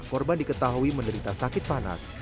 korban diketahui menderita sakit panas